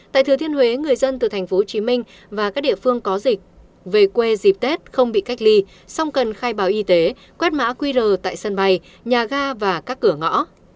tại thừa thiên huế người dân từ tp hcm và các địa phương có dịch về quê dịp tết không bị cách ly song cần khai báo y tế quét mã qr tại sân bay nhà ga và các cửa ngõ